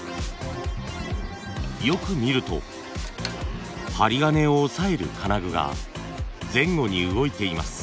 よく見ると針金を押さえる金具が前後に動いています。